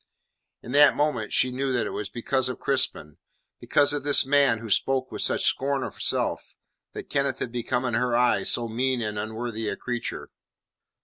In that moment she knew that it was because of Crispin; because of this man who spoke with such very scorn of self, that Kenneth had become in her eyes so mean and unworthy a creature.